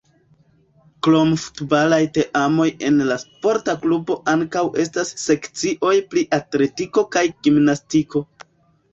Krom futbalaj teamoj en la sporta klubo ankaŭ estas sekcioj pri atletiko kaj gimnastiko.